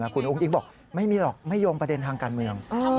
คุณอุ้งอิ๊งบอกไม่มีหรอกไม่โยงประเด็นทางการเมือง